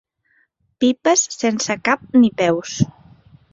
Pipes sense cap ni peus.